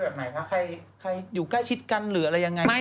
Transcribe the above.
ใครอยู่ใกล้คิดกันหรืออะไรยังไง